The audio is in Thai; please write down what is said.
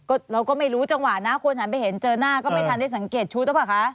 ก็เราก็ไม่รู้จังหวะนะคนหันไปเห็นเจอหน้าก็ไม่ทันได้สังเกตชุดหรือเปล่าคะ